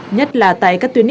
nhất là tại các tuyến đường